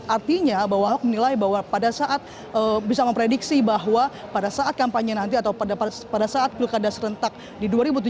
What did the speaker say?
artinya bahwa ahok menilai bahwa pada saat bisa memprediksi bahwa pada saat kampanye nanti atau pada saat pilkada serentak di dua ribu tujuh belas